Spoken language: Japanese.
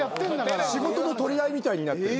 仕事の取り合いみたいになってる。